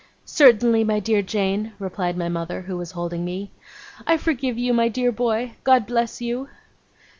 'Certainly, my dear Jane,' replied my mother, who was holding me. 'I forgive you, my dear boy. God bless you!